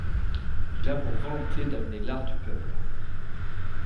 Il a pour volonté d'amener l'art au peuple.